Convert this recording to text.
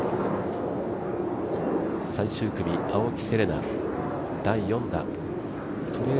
最終組、青木瀬令奈、第４打。